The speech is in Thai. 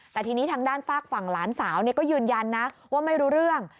แต่ทีนี้ทางด้านฝากฝั่งหลานสาวก็ยืนยันนะว่าไม่รู้เรื่อง